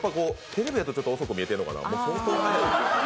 テレビだとちょっと遅く見えてるのかな。